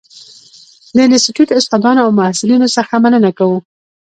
د انسټیټوت استادانو او محصلینو څخه مننه کوو.